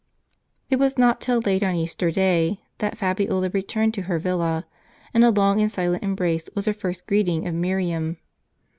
It was not till late on Easter day that Fabiola returned to her villa ; and a long and silent embrace was her first greeting of Miriam.